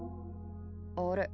あれ？